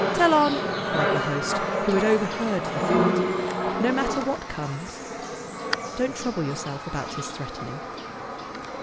"Tell on," cried the host, who had overheard the threat, " no matter what comes. Don't trouble your self about his threatening."